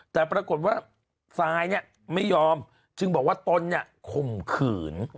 แต่ปรากฏว่าซายเนี่ยไม่ยอมจึงบอกว่าตนเนี่ยข่มขืน